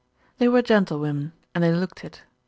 They were gentlewomen and they looked it.